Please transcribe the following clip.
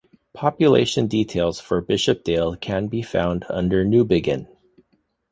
Population details for Bishopdale can be found under Newbiggin.